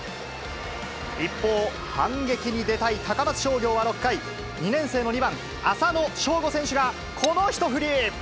一方、反撃に出たい高松商業は６回、２年生の２番浅野翔吾選手が、この一振り。